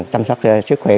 chăm sóc sức khỏe